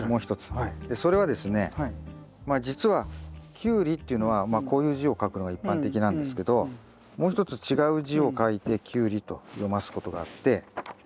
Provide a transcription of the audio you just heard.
それはですねまあじつはキュウリっていうのはまあこういう字を書くのが一般的なんですけどもう一つ違う字を書いてキュウリと読ますことがあって。